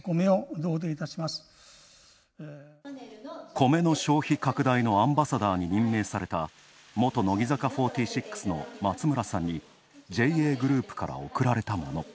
米の消費拡大のアンバサダーに任命された元乃木坂４６の松村さんにＪＡグループから送られたもの。